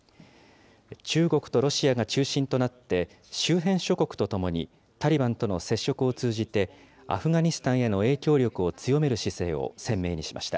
中国とロシアが中心となって、周辺諸国とともにタリバンとの接触を通じてアフガニスタンへの影響力を強める姿勢を鮮明にしました。